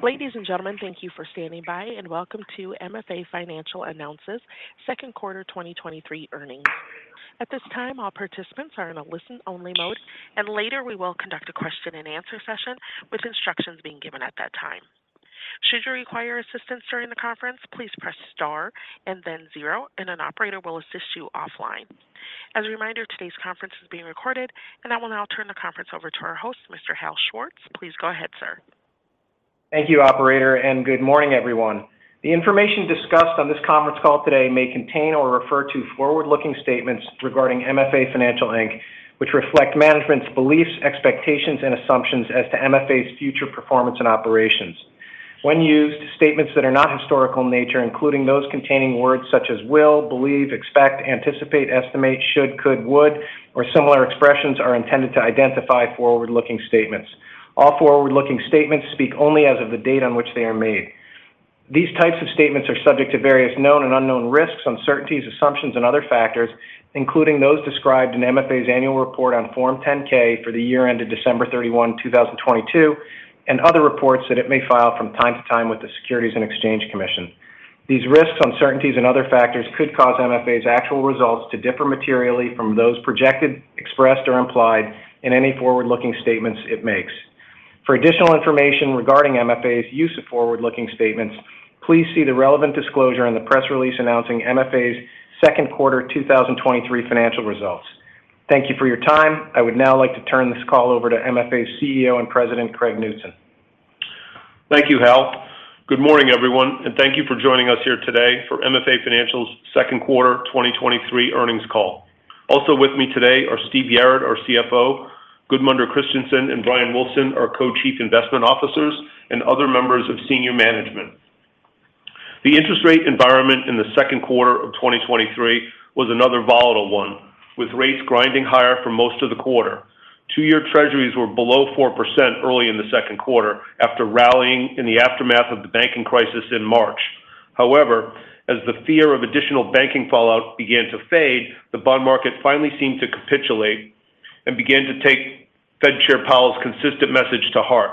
Ladies and gentlemen, thank you for standing by, and welcome to MFA Financial announces second quarter 2023 earnings. At this time, all participants are in a listen-only mode, and later we will conduct a question-and-answer session, with instructions being given at that time. Should you require assistance during the conference, please press star and then zero, and an operator will assist you offline. As a reminder, today's conference is being recorded, and I will now turn the conference over to our host, Mr. Hal Schwartz. Please go ahead, sir. Thank you, operator. Good morning, everyone. The information discussed on this conference call today may contain or refer to forward-looking statements regarding MFA Financial Inc, which reflect management's beliefs, expectations, and assumptions as to MFA's future performance and operations. When used, statements that are not historical in nature, including those containing words such as will, believe, expect, anticipate, estimate, should, could, would, or similar expressions are intended to identify forward-looking statements. All forward-looking statements speak only as of the date on which they are made. These types of statements are subject to various known and unknown risks, uncertainties, assumptions, and other factors, including those described in MFA's annual report on Form 10-K for the year ended December 31, 2022, and other reports that it may file from time to time with the Securities and Exchange Commission. These risks, uncertainties, and other factors could cause MFA's actual results to differ materially from those projected, expressed, or implied in any forward-looking statements it makes. For additional information regarding MFA's use of forward-looking statements, please see the relevant disclosure in the press release announcing MFA's second quarter 2023 financial results. Thank you for your time. I would now like to turn this call over to MFA's CEO and President, Craig Knutson. Thank you, Hal. Good morning, everyone, and thank you for joining us here today for MFA Financial's second quarter 2023 earnings call. Also with me today are Steve Yarad, our CFO, Gudmundur Kristjansson and Bryan Wulfsohn, our Co-Chief Investment Officers and other members of senior management. The interest rate environment in the second quarter of 2023 was another volatile one, with rates grinding higher for most of the quarter. Two year Treasuries were below 4% early in the second quarter after rallying in the aftermath of the banking crisis in March. However, as the fear of additional banking fallout began to fade, the bond market finally seemed to capitulate and began to take Fed Chair Powell's consistent message to heart.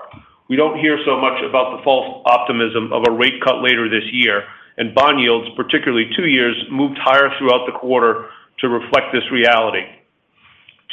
We don't hear so much about the false optimism of a rate cut later this year, and bond yields, particularly two years, moved higher throughout the quarter to reflect this reality.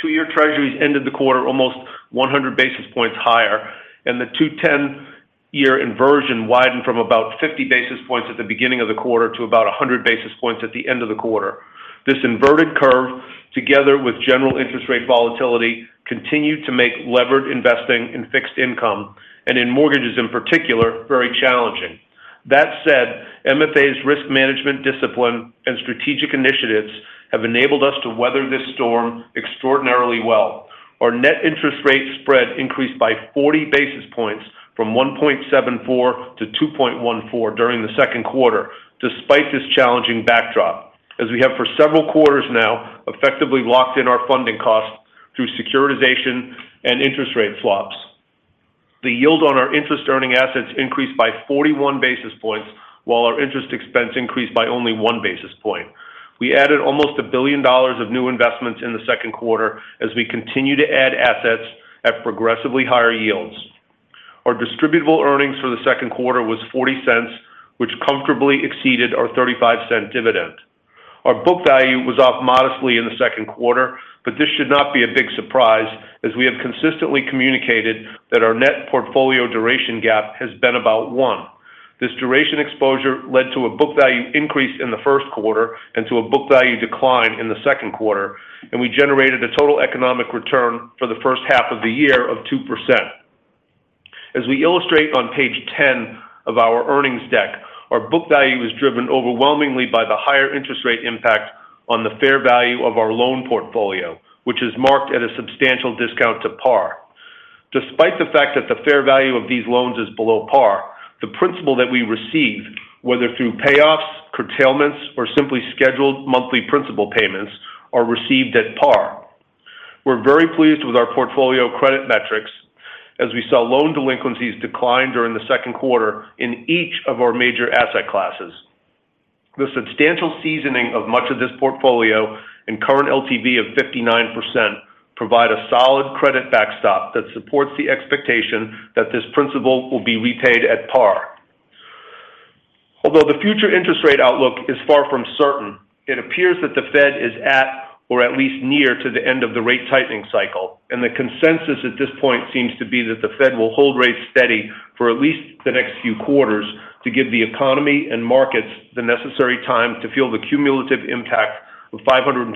Two year Treasuries ended the quarter almost 100 basis points higher, and the two to 10 year inversion widened from about 50 basis points at the beginning of the quarter to about 100 basis points at the end of the quarter. This inverted curve, together with general interest rate volatility, continued to make levered investing in fixed income and in mortgages in particular, very challenging. That said, MFA's risk management discipline and strategic initiatives have enabled us to weather this storm extraordinarily well. Our net interest rate spread increased by 40 basis points from 1.74-2.14 during the second quarter, despite this challenging backdrop, as we have for several quarters now, effectively locked in our funding costs through securitization and interest rate swaps. The yield on our interest-earning assets increased by 41 basis points, while our interest expense increased by only 1 basis point. We added almost $1 billion of new investments in the second quarter as we continue to add assets at progressively higher yields. Our distributable earnings for the second quarter was $0.40, which comfortably exceeded our $0.35 dividend. Our book value was off modestly in the second quarter, but this should not be a big surprise as we have consistently communicated that our net portfolio duration gap has been about one. This duration exposure led to a book value increase in the first quarter and to a book value decline in the second quarter, and we generated a total economic return for the first half of the year of 2%. As we illustrate on Page 10 of our earnings deck, our book value is driven overwhelmingly by the higher interest rate impact on the fair value of our loan portfolio, which is marked at a substantial discount to par. Despite the fact that the fair value of these loans is below par, the principal that we receive, whether through payoffs, curtailments, or simply scheduled monthly principal payments, are received at par. We're very pleased with our portfolio credit metrics as we saw loan delinquencies decline during the second quarter in each of our major asset classes. The substantial seasoning of much of this portfolio and current LTV of 59% provide a solid credit backstop that supports the expectation that this principle will be repaid at par. Although the future interest rate outlook is far from certain, it appears that the Fed is at or at least near to the end of the rate tightening cycle, and the consensus at this point seems to be that the Fed will hold rates steady for at least the next few quarters to give the economy and markets the necessary time to feel the cumulative impact of 525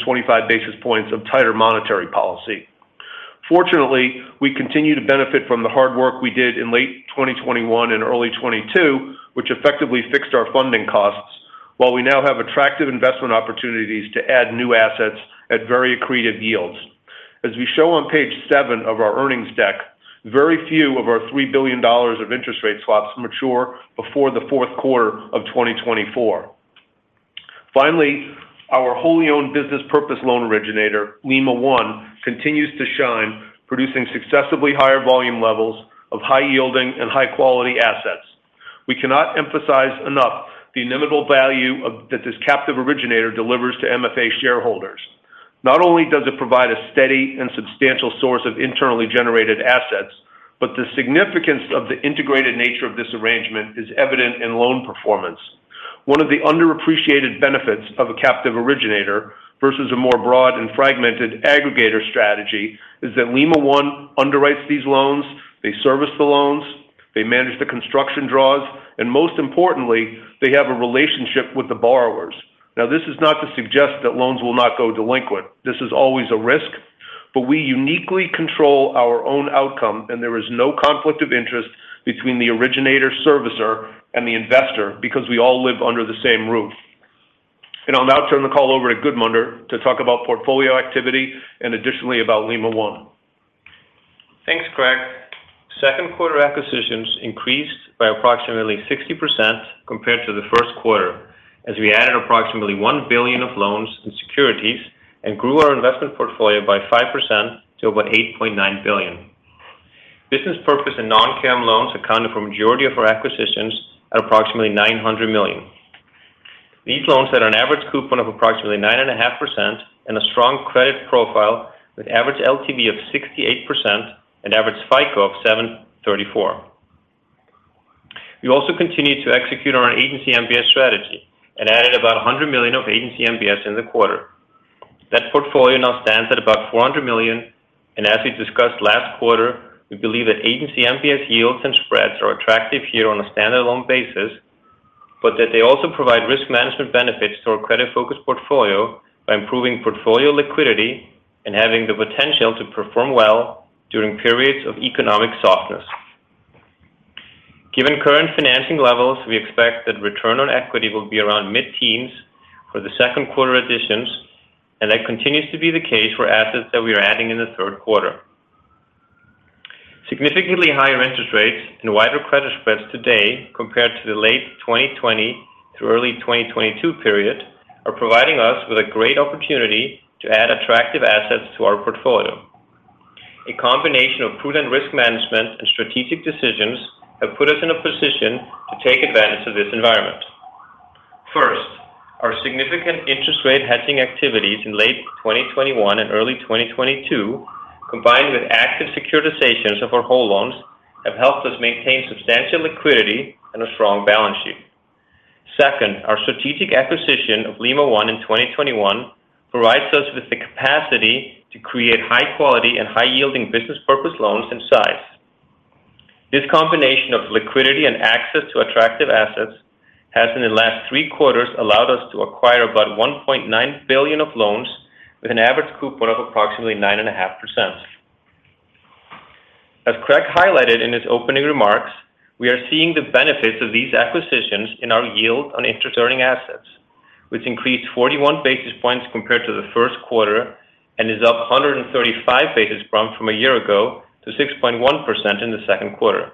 basis points of tighter monetary policy. Fortunately, we continue to benefit from the hard work we did in late 2021 and early 2022, which effectively fixed our funding costs, while we now have attractive investment opportunities to add new assets at very accretive yields. As we show on Page 7 of our earnings deck, very few of our $3 billion of interest rate swaps mature before the fourth quarter of 2024. Finally, our wholly owned business purpose loan originator, Lima One, continues to shine, producing successively higher volume levels of high yielding and high-quality assets. We cannot emphasize enough the inimitable value that this captive originator delivers to MFA shareholders. Not only does it provide a steady and substantial source of internally generated assets, the significance of the integrated nature of this arrangement is evident in loan performance. One of the underappreciated benefits of a captive originator versus a more broad and fragmented aggregator strategy is that Lima One underwrites these loans, they service the loans, they manage the construction draws, and most importantly, they have a relationship with the borrowers. This is not to suggest that loans will not go delinquent. This is always a risk, but we uniquely control our own outcome, and there is no conflict of interest between the originator, servicer, and the investor because we all live under the same roof. I'll now turn the call over to Gudmundur to talk about portfolio activity and additionally, about Lima One. Thanks, Craig. Second quarter acquisitions increased by approximately 60% compared to the first quarter, as we added approximately $1 billion of loans and securities and grew our investment portfolio by 5% to about $8.9 billion. Business purpose and non-QM loans accounted for a majority of our acquisitions at approximately $900 million. These loans had an average coupon of approximately 9.5% and a strong credit profile, with average LTV of 68% and average FICO of 734. We also continued to execute on our Agency MBS strategy and added about $100 million of Agency MBS in the quarter. That portfolio now stands at about $400 million, and as we discussed last quarter, we believe that Agency MBS yields and spreads are attractive here on a stand-alone basis, but that they also provide risk management benefits to our credit-focused portfolio by improving portfolio liquidity and having the potential to perform well during periods of economic softness. Given current financing levels, we expect that return on equity will be around mid-teens for the second quarter additions, and that continues to be the case for assets that we are adding in the third quarter. Significantly higher interest rates and wider credit spreads today compared to the late 2020 through early 2022 period, are providing us with a great opportunity to add attractive assets to our portfolio. A combination of prudent risk management and strategic decisions have put us in a position to take advantage of this environment. First, our significant interest rate hedging activities in late 2021 and early 2022, combined with active securitizations of our whole loans, have helped us maintain substantial liquidity and a strong balance sheet. Second, our strategic acquisition of Lima One in 2021 provides us with the capacity to create high quality and high-yielding business purpose loans and size. This combination of liquidity and access to attractive assets has, in the last three quarters, allowed us to acquire about $1.9 billion of loans with an average coupon of approximately 9.5%. As Craig highlighted in his opening remarks, we are seeing the benefits of these acquisitions in our yield on interest-earning assets, which increased 41 basis points compared to the first quarter and is up 135 basis points from a year ago to 6.1% in the second quarter.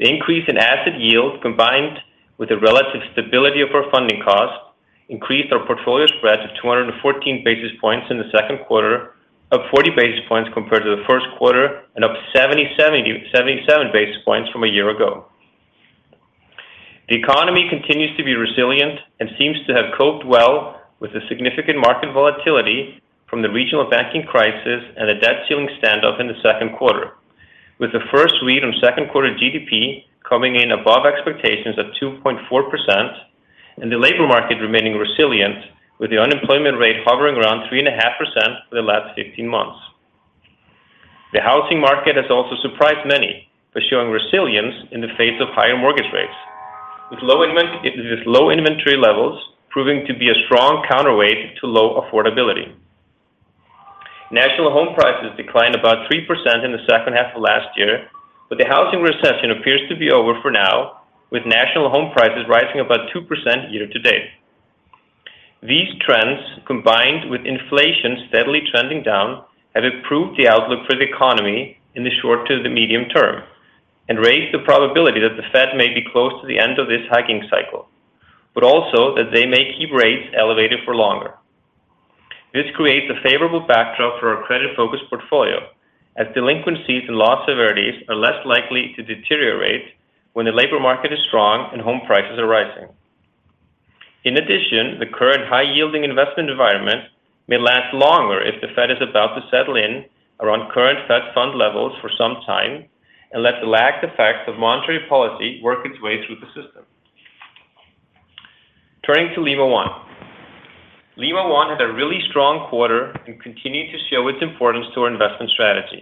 The increase in asset yield, combined with the relative stability of our funding cost, increased our portfolio spreads of 214 basis points in the second quarter, up 40 basis points compared to the first quarter, and up 77 basis points from a year ago. The economy continues to be resilient and seems to have coped well with the significant market volatility from the regional banking crisis and the debt ceiling standoff in the second quarter, with the first read on second quarter GDP coming in above expectations of 2.4%, and the labor market remaining resilient, with the unemployment rate hovering around 3.5% for the last 15 months. The housing market has also surprised many by showing resilience in the face of higher mortgage rates, with low inventory levels proving to be a strong counterweight to low affordability. National home prices declined about 3% in the second half of last year, but the housing recession appears to be over for now, with national home prices rising about 2% year to date. These trends, combined with inflation steadily trending down, have improved the outlook for the economy in the short to the medium term and raised the probability that the Fed may be close to the end of this hiking cycle, but also that they may keep rates elevated for longer. This creates a favorable backdrop for our credit-focused portfolio, as delinquencies and loss severities are less likely to deteriorate when the labor market is strong and home prices are rising. In addition, the current high-yielding investment environment may last longer if the Fed is about to settle in around current Fed Fund levels for some time and lets the lagged effects of monetary policy work its way through the system. Turning to Lima One. Lima One had a really strong quarter and continued to show its importance to our investment strategy.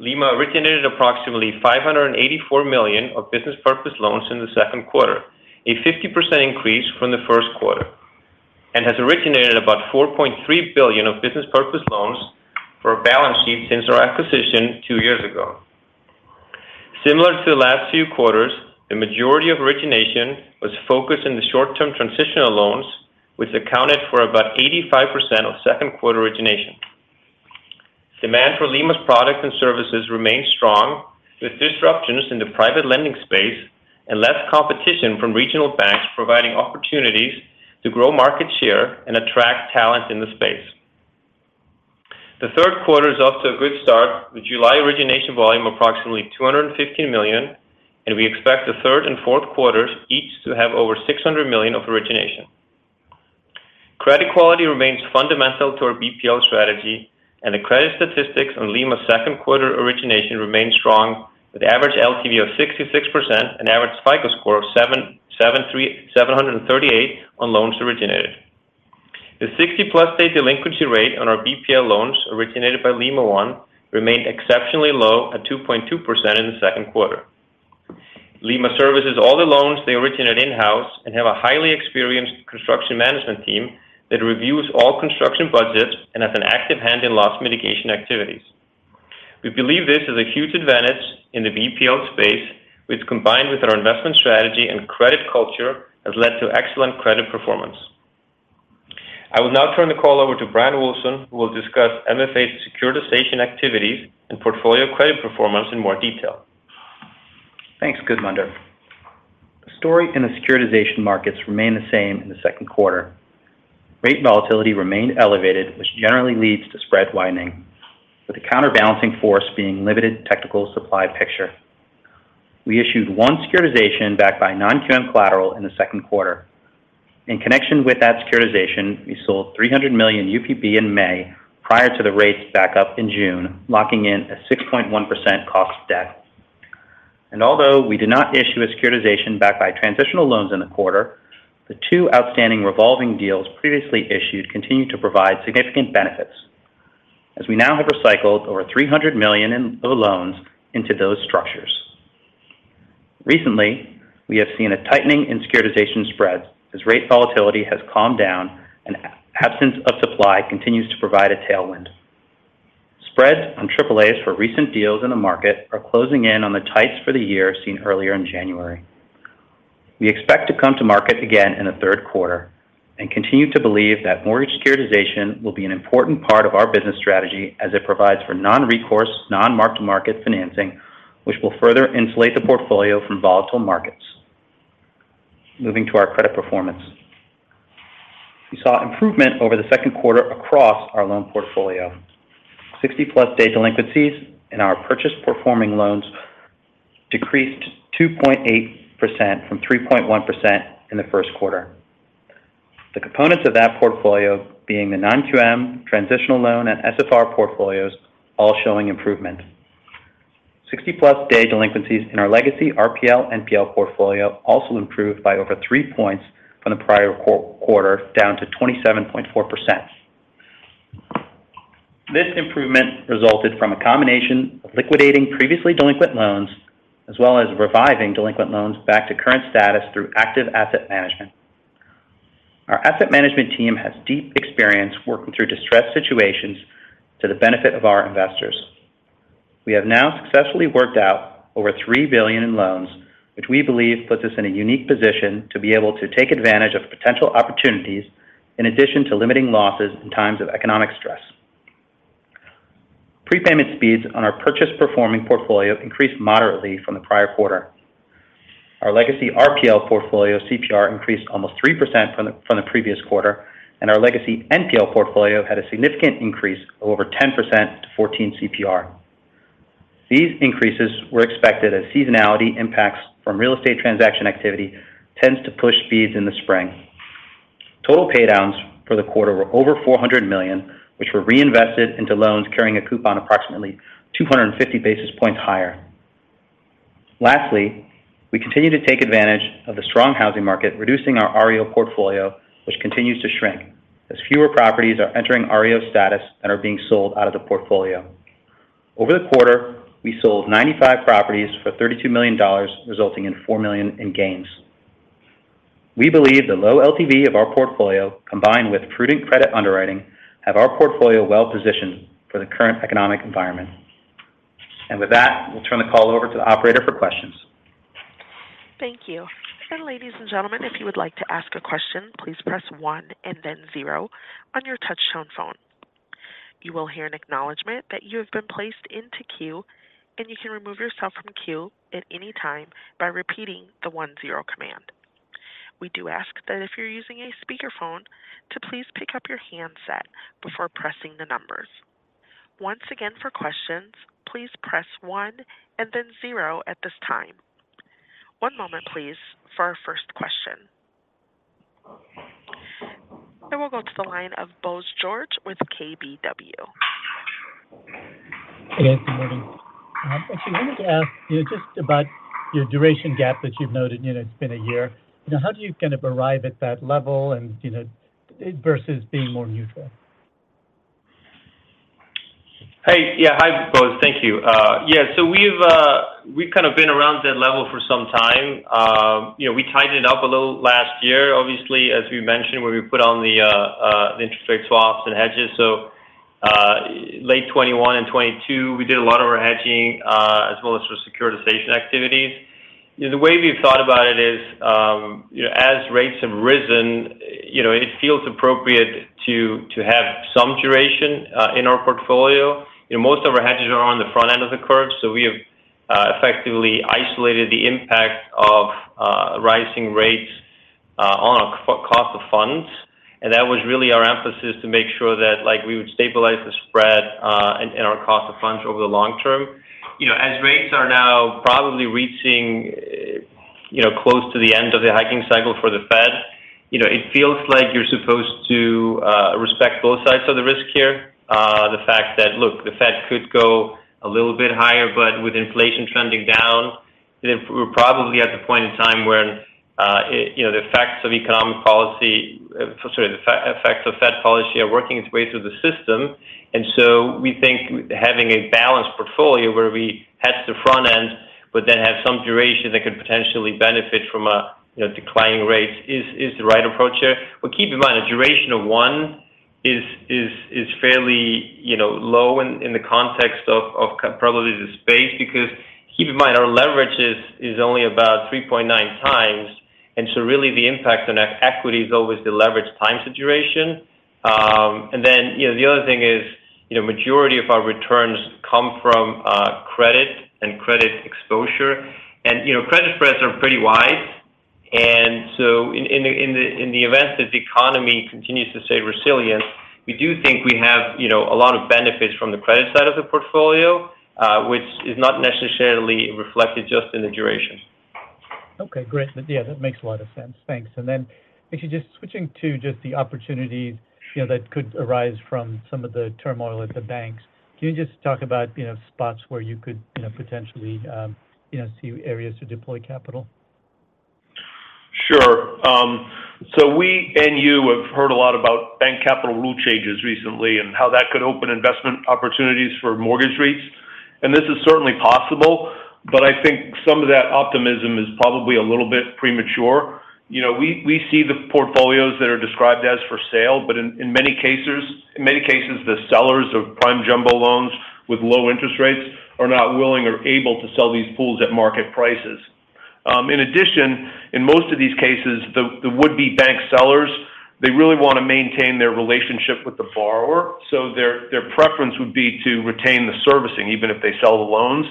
Lima originated approximately $584 million of business purpose loans in the second quarter, a 50% increase from the first quarter, and has originated about $4.3 billion of business purpose loans for our balance sheet since our acquisition two years ago. Similar to the last few quarters, the majority of origination was focused in the short-term transitional loans, which accounted for about 85% of second quarter origination. Demand for Lima's products and services remains strong, with disruptions in the private lending space and less competition from regional banks, providing opportunities to grow market share and attract talent in the space. The third quarter is off to a good start, with July origination volume approximately $250 million, and we expect the third and fourth quarters each to have over $600 million of origination. Credit quality remains fundamental to our BPL strategy, and the credit statistics on Lima's second quarter origination remain strong, with average LTV of 66% and average FICO score of 738 on loans originated. The 60+ day delinquency rate on our BPL loans originated by Lima One remained exceptionally low at 2.2% in the second quarter. Lima services all the loans they originate in-house and have a highly experienced construction management team that reviews all construction budgets and has an active hand in loss mitigation activities. We believe this is a huge advantage in the BPL space, which, combined with our investment strategy and credit culture, has led to excellent credit performance. I will now turn the call over to Bryan Wulfsohn, who will discuss MFA's securitization activities and portfolio credit performance in more detail. Thanks, Gudmundur. The story in the securitization markets remained the same in the second quarter. Rate volatility remained elevated, which generally leads to spread widening, with the counterbalancing force being limited technical supply picture. We issued one securitization backed by non-QM collateral in the second quarter. In connection with that securitization, we sold $371 million UPB in May, prior to the rates back up in June, locking in a 6.1% cost debt. Although we did not issue a securitization backed by transitional loans in the quarter, the two outstanding revolving deals previously issued continued to provide significant benefits, as we now have recycled over $300 million in total loans into those structures. Recently, we have seen a tightening in securitization spreads as rate volatility has calmed down and absence of supply continues to provide a tailwind. Spreads on AAAs for recent deals in the market are closing in on the tights for the year seen earlier in January. We expect to come to market again in the third quarter and continue to believe that mortgage securitization will be an important part of our business strategy as it provides for non-recourse, non-mark-to-market financing, which will further insulate the portfolio from volatile markets. Moving to our credit performance. We saw improvement over the second quarter across our loan portfolio. 60-plus day delinquencies in our purchase performing loans decreased 2.8% from 3.1% in the first quarter. The components of that portfolio being the non-QM, transitional loan, and SFR portfolios, all showing improvement. 60-plus day delinquencies in our legacy RPL NPL portfolio also improved by over 3 points from the prior quarter, down to 27.4%. This improvement resulted from a combination of liquidating previously delinquent loans, as well as reviving delinquent loans back to current status through active asset management. Our asset management team has deep experience working through distressed situations to the benefit of our investors. We have now successfully worked out over $3 billion in loans, which we believe puts us in a unique position to be able to take advantage of potential opportunities, in addition to limiting losses in times of economic stress. Prepayment speeds on our purchase performing portfolio increased moderately from the prior quarter. Our legacy RPL portfolio CPR increased almost 3% from the previous quarter, and our legacy NPL portfolio had a significant increase of over 10% to 14 CPR. These increases were expected as seasonality impacts from real estate transaction activity tends to push speeds in the spring. Total payouts for the quarter were over $400 million, which were reinvested into loans carrying a coupon approximately 250 basis points higher. Lastly, we continue to take advantage of the strong housing market, reducing our REO portfolio, which continues to shrink as fewer properties are entering REO status and are being sold out of the portfolio. Over the quarter, we sold 95 properties for $32 million, resulting in $4 million in gains. We believe the low LTV of our portfolio, combined with prudent credit underwriting, have our portfolio well positioned for the current economic environment. With that, we'll turn the call over to the operator for questions. Thank you. Ladies and gentlemen, if you would like to ask a question, please press one and then zero on your touchtone phone. You will hear an acknowledgment that you have been placed into queue, and you can remove yourself from queue at any time by repeating the one zero command. We do ask that if you're using a speakerphone, to please pick up your handset before pressing the numbers. Once again, for questions, please press one and then zero at this time. One moment, please, for our first question. I will go to the line of Bose George with KBW. Hey, good morning. I actually wanted to ask you just about your duration gap that you've noted. You know, it's been a year. You know, how do you kind of arrive at that level and, you know, it versus being more neutral? Hey. Yeah. Hi, Bose. Thank you. Yeah, we've kind of been around that level for some time. You know, we tightened it up a little last year, obviously, as we mentioned, where we put on the interest rate swaps and hedges. Late 2021 and 2022, we did a lot of our hedging, as well as for securitization activities. You know, the way we've thought about it is, you know, as rates have risen, you know, it feels appropriate to, to have some duration in our portfolio. You know, most of our hedges are on the front end of the curve, so we have effectively isolated the impact. Rising rates on a cost of funds, and that was really our emphasis to make sure that, like, we would stabilize the spread, in our cost of funds over the long term. You know, as rates are now probably reaching, you know, close to the end of the hiking cycle for the Fed, you know, it feels like you're supposed to, respect both sides of the risk here. The fact that, look, the Fed could go a little bit higher, but with inflation trending down, then we're probably at the point in time where, it, you know, the effects of economic policy, sorry, the effects of Fed policy are working its way through the system. We think having a balanced portfolio where we hedge the front end but then have some duration that could potentially benefit from a, you know, declining rates is the right approach here. Keep in mind, a duration of one is fairly, you know, low in the context of probably the space, because keep in mind, our leverage is only about 3.9x, and so really the impact on equity is always the leverage time to duration. Then, you know, the other thing is, you know, majority of our returns come from credit and credit exposure and, you know, credit spreads are pretty wide. In, in the, in the, in the event that the economy continues to stay resilient, we do think we have, you know, a lot of benefits from the credit side of the portfolio, which is not necessarily reflected just in the duration. Okay, great. Yeah, that makes a lot of sense. Thanks. Then actually just switching to just the opportunities, you know, that could arise from some of the turmoil at the banks. Can you just talk about, you know, spots where you could, you know, potentially, you know, see areas to deploy capital? Sure. We and you have heard a lot about bank capital rule changes recently and how that could open investment opportunities for mortgage rates. This is certainly possible, but I think some of that optimism is probably a little bit premature. You know, we, we see the portfolios that are described as for sale, but in, in many cases, in many cases, the sellers of prime jumbo loans with low interest rates are not willing or able to sell these pools at market prices. In addition, in most of these cases, the, the would-be bank sellers, they really want to maintain their relationship with the borrower, so their, their preference would be to retain the servicing even if they sell the loans.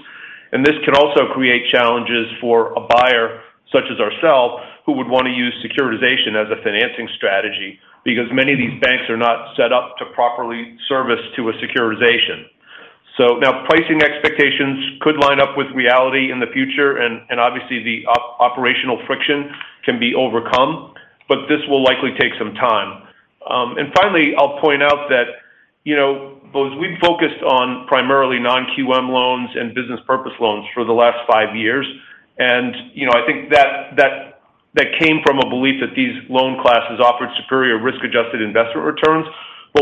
This can also create challenges for a buyer, such as ourselves, who would want to use securitization as a financing strategy, because many of these banks are not set up to properly service to a securitization. Now, pricing expectations could line up with reality in the future, and obviously, the operational friction can be overcome, but this will likely take some time. Finally, I'll point out that, you know, Boz, we focused on primarily non-QM loans and business purpose loans for the last five years. You know, I think that came from a belief that these loan classes offered superior risk-adjusted investment returns.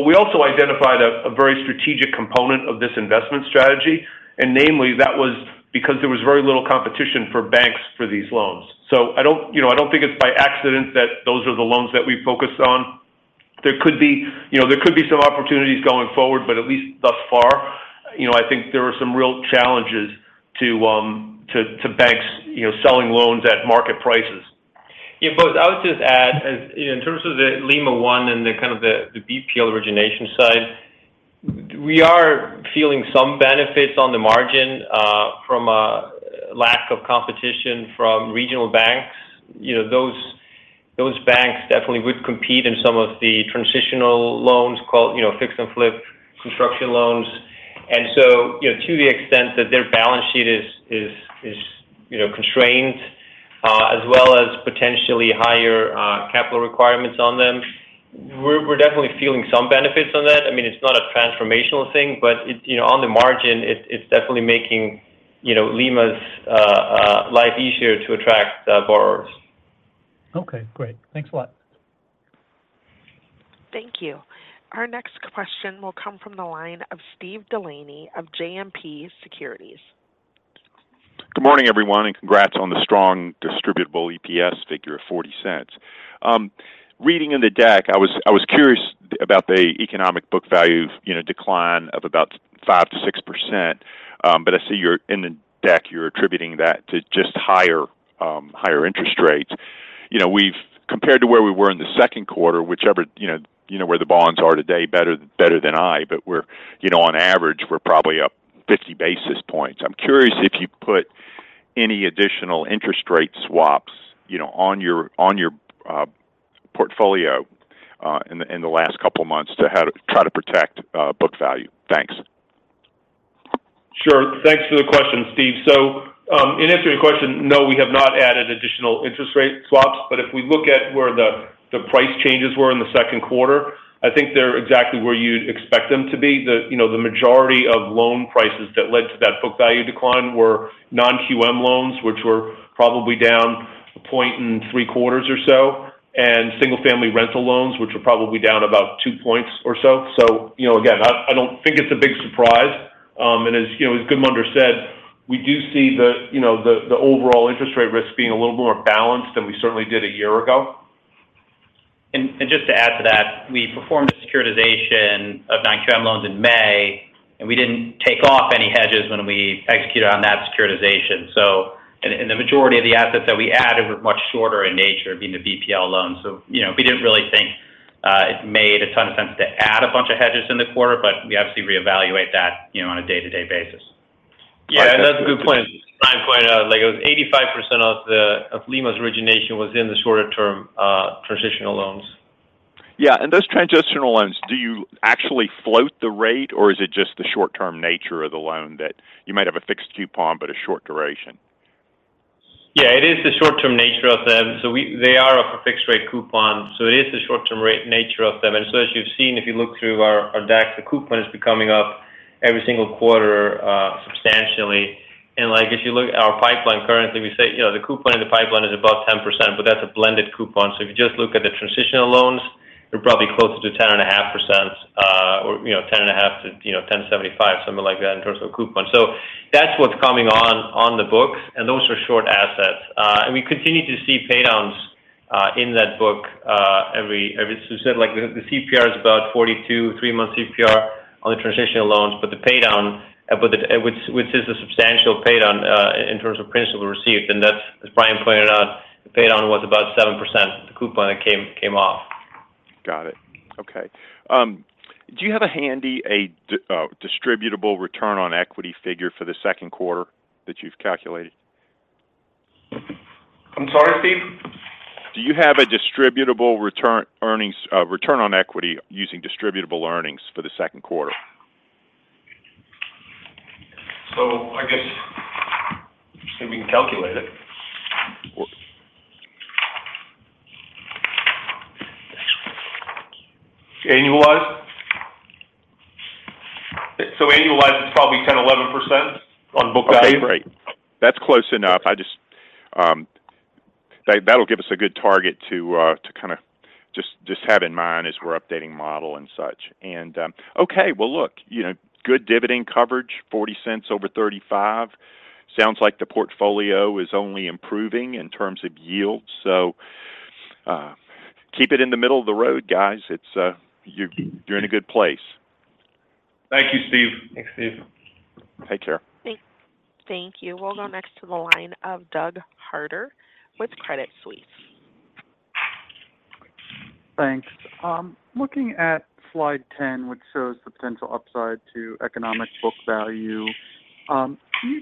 We also identified a very strategic component of this investment strategy, and namely, that was because there was very little competition for banks for these loans. I don't, you know, I don't think it's by accident that those are the loans that we focused on. There could be, you know, there could be some opportunities going forward, but at least thus far, you know, I think there are some real challenges to, to, to banks, you know, selling loans at market prices. Boz, I would just add, as in terms of the Lima One and the kind of the, the BPL origination side, we are feeling some benefits on the margin, from a lack of competition from regional banks. You know, those, those banks definitely would compete in some of the transitional loans called, you know, fix and flip construction loans. You know, to the extent that their balance sheet is, is, is, you know, constrained, as well as potentially higher, capital requirements on them, we're, we're definitely feeling some benefits on that. I mean, it's not a transformational thing, but it, you know, on the margin, it, it's definitely making, you know, Lima's, life easier to attract, borrowers. Okay, great. Thanks a lot. Thank you. Our next question will come from the line of Steve Delaney of JMP Securities. Good morning, everyone, and congrats on the strong distributable EPS figure of $0.40. Reading in the deck, I was, I was curious about the economic book value, you know, decline of about 5%-6%. I see you're in the deck, you're attributing that to just higher, higher interest rates. You know, we've compared to where we were in the second quarter, whichever, you know, you know where the bonds are today, better, better than I, but we're, you know, on average, we're probably up 50 basis points. I'm curious if you put any additional interest rate swaps, you know, on your, on your portfolio in the, in the last couple of months to how to try to protect book value. Thanks. Thanks for the question, Steve. In answering your question, no, we have not added additional interest rate swaps, but if we look at where the price changes were in the second quarter, I think they're exactly where you'd expect them to be. You know, the majority of loan prices that led to that book value decline were non-QM loans, which were probably down 1.75 points or so, and single-family rental loans, which were probably down about 2 points or so. You know, again, I, I don't think it's a big surprise. As, you know, as Gudmundur said, we do see the, you know, the overall interest rate risk being a little more balanced than we certainly did a year ago. Just to add to that, we performed a securitization of non-QM loans in May. We didn't take off any hedges when we executed on that securitization. The majority of the assets that we added were much shorter in nature, being the BPL loans. You know, we didn't really think made a ton of sense to add a bunch of hedges in the quarter, but we obviously reevaluate that, you know, on a day-to-day basis. That's a good point. Bryan pointed out, like, it was 85% of Lima's origination was in the shorter term transitional loans. Yeah, those transitional loans, do you actually float the rate, or is it just the short-term nature of the loan, that you might have a fixed coupon but a short duration? Yeah, it is the short-term nature of them. They are off a fixed rate coupon, so it is the short-term nature of them. As you've seen, if you look through our, our decks, the coupon has been coming up every single quarter, substantially. Like, if you look at our pipeline currently, we say, you know, the coupon in the pipeline is above 10%, but that's a blended coupon. If you just look at the transitional loans, we're probably closer to 10.5%, or, you know, 10.5%-10.75%, something like that, in terms of coupon. That's what's coming on on the books, and those are short assets. And we continue to see paydowns in that book, every, every-- Like the CPR is about 42, three month CPR on the transitional loans, but the paydown, but the- which, which is a substantial paydown, in terms of principal received, and that's, as Bryan pointed out, the paydown was about 7%. The coupon came, came off. Got it. Okay. Do you have a handy a distributable return on equity figure for the second quarter that you've calculated? I'm sorry, Steve. Do you have a distributable return on equity using distributable earnings for the second quarter? I guess, see if we can calculate it. Annualized? Annualized, it's probably 10%-11% on book value. Okay, great. That's close enough. I just. That'll give us a good target to kinda just have in mind as we're updating model and such. Okay. Well, look, you know, good dividend coverage, $0.40 over $0.35. Sounds like the portfolio is only improving in terms of yield, so, keep it in the middle of the road, guys. It's, you're, you're in a good place. Thank you, Steve. Thanks, Steve. Take care. Thank, thank you. We'll go next to the line of Doug Harter with Credit Suisse. Thanks. Looking at Slide 10, which shows the potential upside to economic book value, can you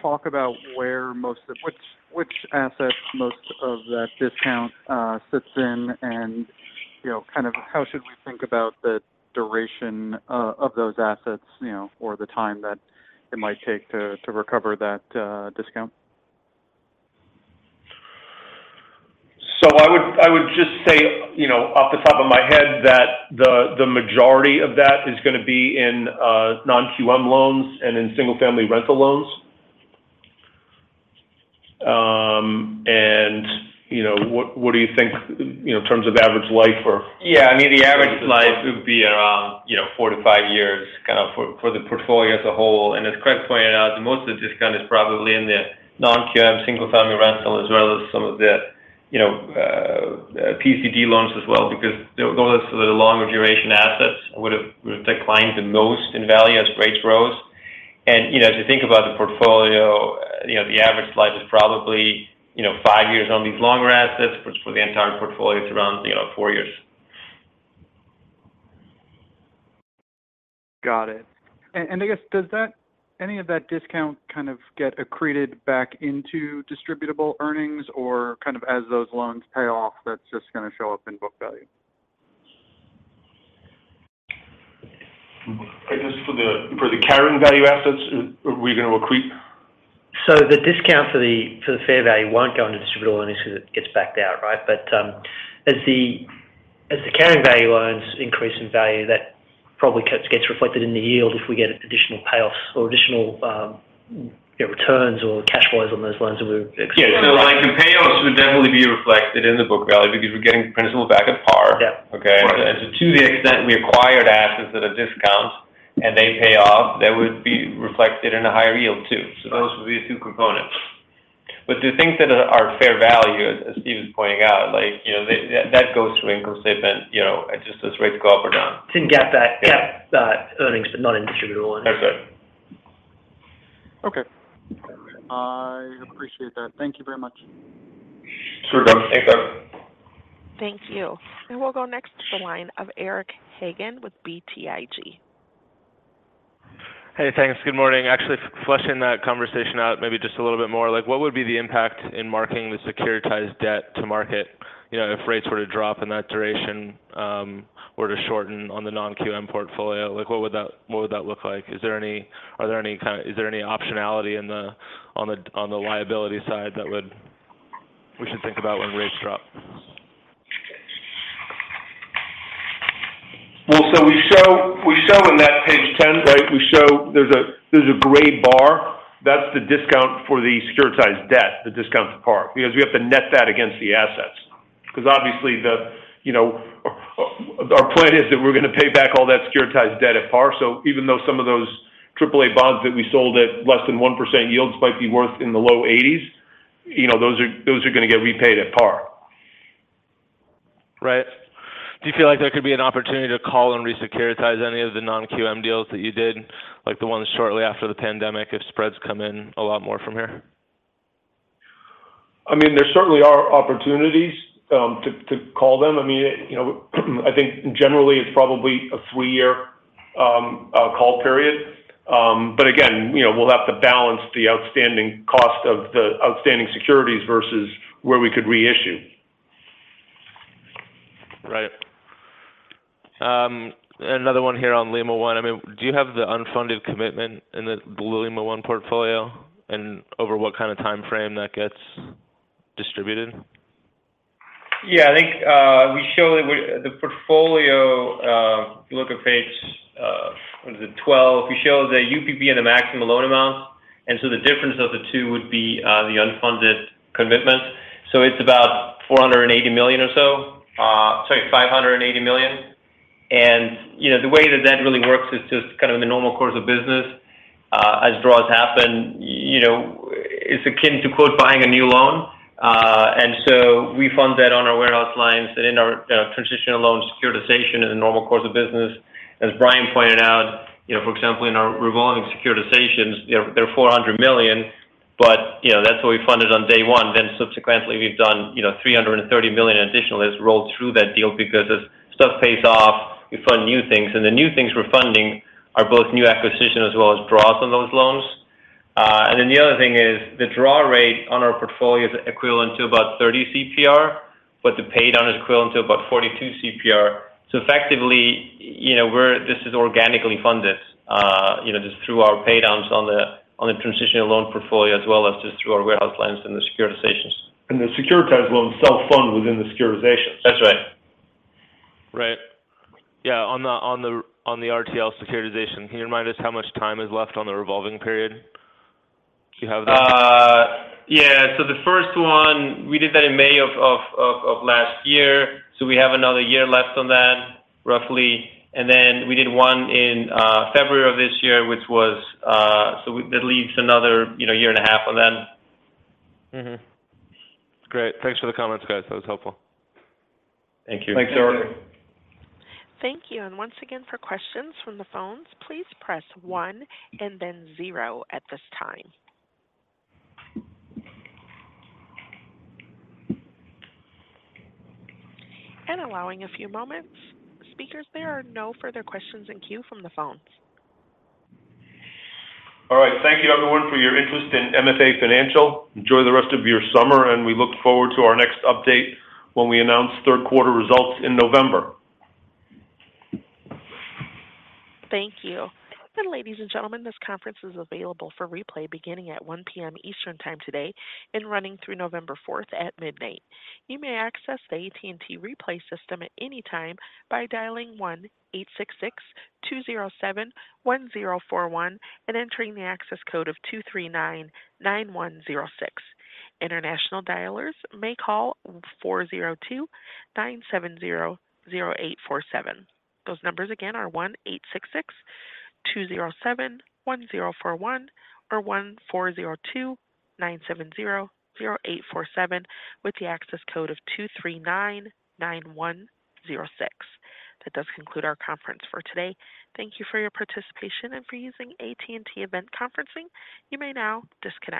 talk about where most of-- which, which assets most of that discount, sits in? You know, kind of how should we think about the duration, of those assets, you know, or the time that it might take to, to recover that, discount? I would, I would just say, you know, off the top of my head, that the, the majority of that is gonna be in non-QM loans and in single-family rental loans. You know, what, what do you think, you know, in terms of average life or- Yeah, I mean, the average life would be around, you know, four to five years, kind of, for, for the portfolio as a whole. As Craig pointed out, most of the discount is probably in the non-QM single-family rental, as well as some of the, you know, PCD loans as well, because those are the longer duration assets would have declined the most in value as rates rose. You know, as you think about the portfolio, you know, the average life is probably, you know, five years on these longer assets, which for the entire portfolio is around, you know, four years. Got it. I guess, does any of that discount kind of get accreted back into distributable earnings or kind of as those loans pay off, that's just gonna show up in book value? I guess for the, for the carrying value assets, are we gonna accrete? The discount for the, for the fair value won't go into distributable earnings because it gets backed out, right? As the, as the carrying value loans increase in value, that probably gets, gets reflected in the yield if we get additional payoffs or additional returns or cash flows on those loans that we- Yeah, like, the payoffs would definitely be reflected in the book value because we're getting principal back at par. Yeah. Okay? Right. To the extent we acquired assets at a discount and they pay off, that would be reflected in a higher yield, too. Those would be the two components. The things that are, are fair value, as, as Steve is pointing out, like, you know, that goes through inclusive and, you know, it's just as rates go up or down. Didn't get that, get that earnings, but not in distributable earnings. That's it. Okay. I appreciate that. Thank you very much. Sure, Doug. Thanks, Doug. Thank you. We'll go next to the line of Eric Hagen with BTIG. Hey, thanks. Good morning. Actually, flushing that conversation out maybe just a little bit more, like, what would be the impact in marking the securitized debt to market, you know, if rates were to drop and that duration were to shorten on the non-QM portfolio? Like, what would that, what would that look like? Is there any optionality in the, on the, on the liability side that we should think about when rates drop? We show in that Page 10, right? We show there's a gray bar. That's the discount for the securitized debt, the discount to par, because we have to net that against the assets. Obviously, the, you know, our plan is that we're gonna pay back all that securitized debt at par. Even though some of those AAA bonds that we sold at less than 1% yields might be worth in the low 80s, you know, those are gonna get repaid at par. Right. Do you feel like there could be an opportunity to call and re-securitize any of the non-QM deals that you did, like the ones shortly after the pandemic, if spreads come in a lot more from here? I mean, there certainly are opportunities, to, to call them. I mean, you know, I think generally it's probably a three year, call period. Again, you know, we'll have to balance the outstanding cost of the outstanding securities versus where we could reissue. Right. another one here on Lima One. I mean, do you have the unfunded commitment in the Lima One portfolio? Over what kind of time frame that gets distributed? Yeah, I think, we show it with the portfolio. If you look at page, what is it? 12. We show the UPB and the maximum loan amount, and so the difference of the two would be, the unfunded commitment. So it's about $480 million or so, sorry, $580 million. And, you know, the way that that really works is just kind of in the normal course of business, as draws happen, you know, it's akin to, quote, "buying a new loan." And so we fund that on our warehouse lines and in our, transitional loan securitization as a normal course of business. As Bryan pointed out, you know, for example, in our revolving securitizations, you know, they're $400 million, but, you know, that's what we funded on day one. Subsequently, we've done, you know, $330 million additional as rolled through that deal. As stuff pays off, you fund new things. The new things we're funding are both new acquisition as well as draws on those loans. The other thing is the draw rate on our portfolio is equivalent to about 30 CPR, but the paid down is equivalent to about 42 CPR. Effectively, you know, we're this is organically funded, you know, just through our pay downs on the transitional loan portfolio, as well as just through our warehouse lines and the securitizations. The securitized loans self-fund within the securitizations. That's right. Right. Yeah, on the RTL securitization, can you remind us how much time is left on the revolving period? Do you have that? Yeah. The first one, we did that in May of last year, so we have another year left on that, roughly. Then we did one in February of this year, which was. That leaves another, you know, year and a half on them. Great. Thanks for the comments, guys. That was helpful. Thank you. Thanks, Eric. Thank you. Once again, for questions from the phones, please press one and then zero at this time. Allowing a few moments. Speakers, there are no further questions in queue from the phones. All right. Thank you, everyone, for your interest in MFA Financial. Enjoy the rest of your summer, and we look forward to our next update when we announce third quarter results in November. Thank you. Ladies and gentlemen, this conference is available for replay beginning at 1:00 P.M. Eastern Time today and running through November 4th at midnight. You may access the AT&T replay system at any time by dialing 1-866-207-1041 and entering the access code of 2399106. International dialers may call 402-970-0847. Those numbers again are 1-866-207-1041 or 1-402-970-0847, with the access code of 2399106. That does conclude our conference for today. Thank you for your participation and for using AT&T event conferencing. You may now disconnect.